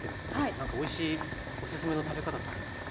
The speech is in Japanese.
なんかおいしいおすすめの食べ方ってありますか？